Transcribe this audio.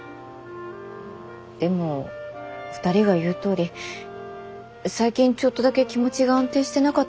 でも２人が言うとおり最近ちょっとだけ気持ちが安定してなかったのは事実だからね。